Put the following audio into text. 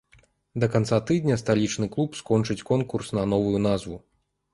Да канца тыдня сталічны клуб скончыць конкурс на новую назву.